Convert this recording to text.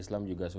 thank you pakar